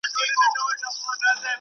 زه کولای سم ليکنه وکړم!!